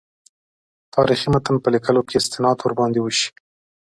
تاریخي متن په لیکلو کې استناد ورباندې وشي.